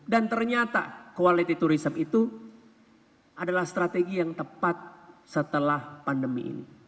dan ternyata quality tourism itu adalah strategi yang tepat setelah pandemi ini